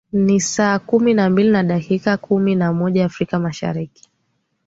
ni saa kumi na mbili na dakika kumi na moja afrika mashariki